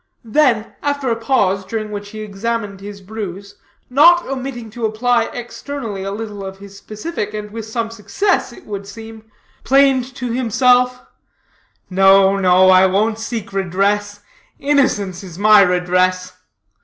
Then, after a pause, during which he examined his bruise, not omitting to apply externally a little of his specific, and with some success, as it would seem, plained to himself: "No, no, I won't seek redress; innocence is my redress.